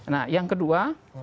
nah yang kedua